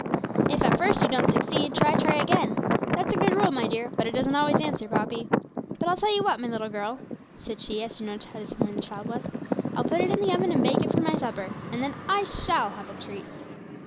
'If at first you don't succeed, try, try, try again. That's a good rule, my dear; but it doesn't always answer, Poppy. But I'll tell you what, my little girl,' said she, as she noticed how disappointed the child was, 'I'll put it in the oven and bake it for my supper, and then I shall have a treat!'